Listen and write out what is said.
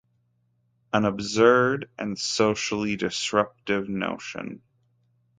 An absurd and socially disruptive notion.